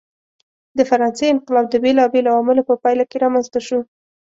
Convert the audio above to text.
د فرانسې انقلاب د بېلابېلو عواملو په پایله کې رامنځته شو.